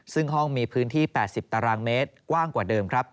ซึ่งห้องมีพื้นที่๘๐ตารางเมตรกว้างกว่าเดิมครับ